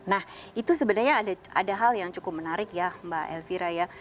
nah itu sebenarnya ada hal yang cukup menarik ya mbak elvira ya